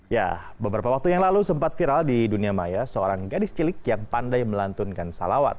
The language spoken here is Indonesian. ya beberapa waktu yang lalu sempat viral di dunia maya seorang gadis cilik yang pandai melantunkan salawat